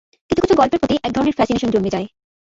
কিছু-কিছু গল্পের প্রতি একধরনের ফ্যাসিনেশন জন্মে যায়।